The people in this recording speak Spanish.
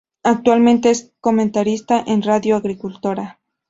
Actualmente es comentarista en Radio Agricultura.